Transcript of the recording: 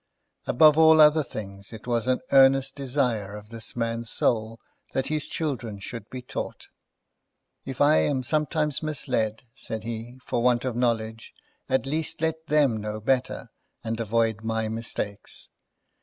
Above all other things, it was an earnest desire of this man's soul that his children should be taught. "If I am sometimes misled," said he, "for want of knowledge, at least let them know better, and avoid my mistakes.